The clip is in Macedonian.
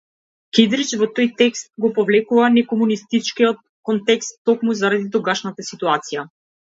Кидрич во тој текст го подвлекува некомунистичкиот контекст токму заради тогашната ситуација.